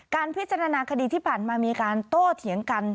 พิจารณาคดีที่ผ่านมามีการโต้เถียงกัน